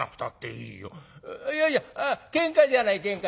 いやいやけんかじゃないけんかじゃない。